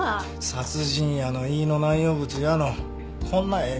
殺人やの胃の内容物やのこんなええ